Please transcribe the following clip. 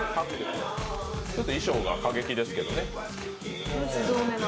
ちょっと衣装が過激ですけどね。